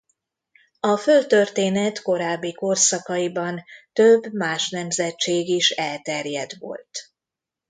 A földtörténet korábbi korszakaiban több más nemzetség is elterjedt volt.